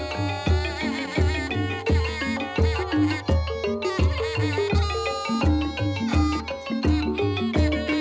โชคดีครับ